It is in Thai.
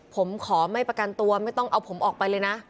ผมขอไม่ประกันตัวไม่ต้องเอาผมออกไปเลยนะ